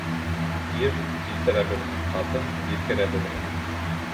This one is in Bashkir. Ир килтерә белһен, ҡатын еткерә белһен.